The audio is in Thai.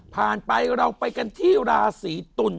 ไปเราไปกันที่ราศีตุล